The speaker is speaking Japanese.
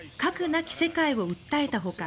なき世界を訴えたほか